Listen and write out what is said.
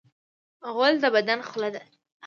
غول د بدن خوله ده.